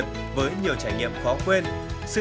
tôi chưa có thể gặp người ở đây